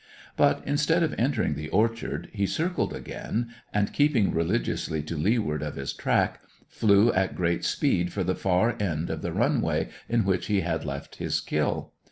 But, instead of entering the orchard, he circled again, and, keeping religiously to leeward of his track, flew at great speed for the far end of the run way in which he had left his kill.